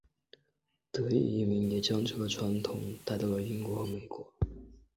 德裔移民也将这个传统带到了英国和美国。